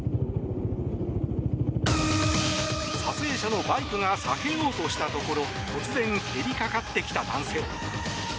撮影者のバイクが避けようとしたところ突然、蹴りかかってきた男性。